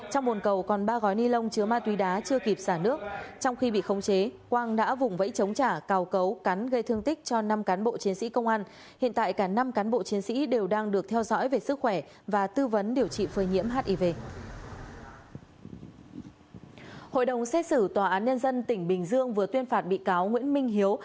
hội đồng xét xử tòa án nhân dân tỉnh bình dương vừa tuyên phạt bị cáo nguyễn minh hiếu